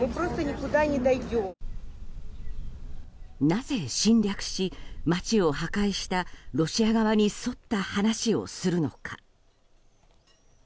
なぜ侵略し、街を破壊したロシア側に沿った話をするのか。